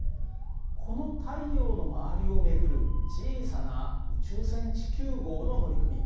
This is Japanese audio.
この太陽の周りを巡る小さな宇宙船地球号の乗組員。